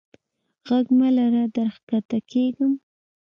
ږغ مه لره در کښته کیږم.